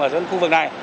ở khu vực này